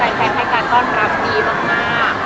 แล้วก็แฟนให้การต้อนรับดีมาก